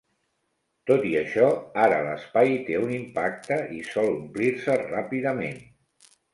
Tot i això, ara l'espai té un impacte i sol omplir-se ràpidament.